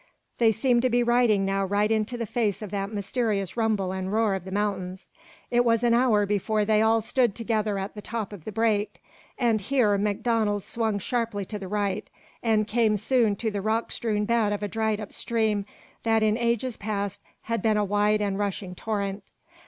They seemed to be riding now right into the face of that mysterious rumble and roar of the mountains. It was an hour before they all stood together at the top of the break, and here MacDonald swung sharply to the right, and came soon to the rock strewn bed of a dried up stream that in ages past had been a wide and rushing torrent.